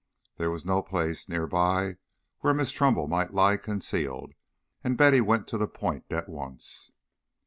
There was no place near by where Miss Trumbull might lie concealed, and Betty went to the point at once.